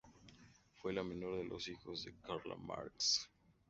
Fue la menor de los hijos de Karl Marx.